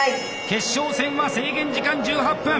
決勝は制限時間１８分。